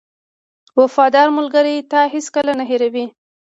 • وفادار ملګری تا هېڅکله نه هېروي.